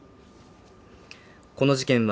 この事件は